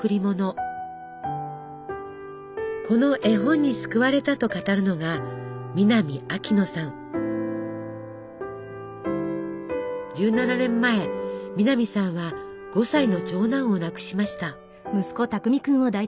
この絵本に救われたと語るのが１７年前南さんは５歳の長男を亡くしました。